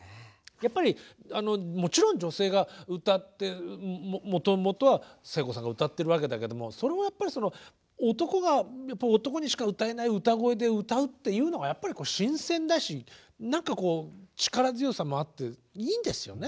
やっぱりもちろん女性が歌ってもともとは聖子さんが歌ってるわけだけどもそれを男が男にしか歌えない歌声で歌うっていうのがやっぱり新鮮だし何かこう力強さもあっていいんですよね。